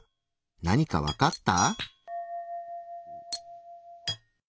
何かわかった？